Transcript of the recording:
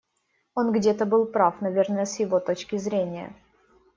Он где-то был прав, наверное, с его точки зрения.